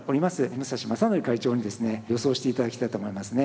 武蔵正憲会長にですね予想していただきたいと思いますね。